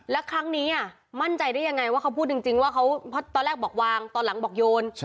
แล้วครั้งนี้มั่นใจได้ยังไงว่าเขาพูดจริงว่าตอนแรกบอกวางตอนหลังบอกโยน